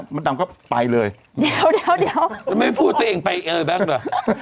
มดดำก็ไปเลยเดี๋ยวเดี๋ยวเดี๋ยวแล้วไม่พูดตัวเองไปเออแบงก์เหรอ